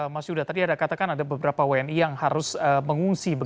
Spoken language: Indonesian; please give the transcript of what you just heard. mas yuda tadi ada katakan ada beberapa wni yang harus mengungsi